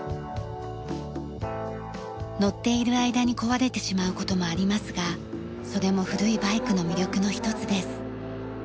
乗っている間に壊れてしまう事もありますがそれも古いバイクの魅力の一つです。